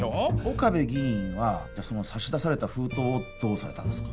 岡部議員は差し出された封筒をどうされたんですか？